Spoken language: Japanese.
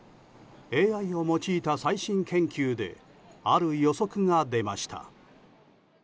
ＡＩを用いた最新研究である予測が出ました。